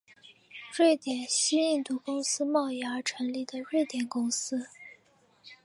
瑞典西印度公司贸易而成立的瑞典公司。